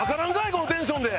このテンションで。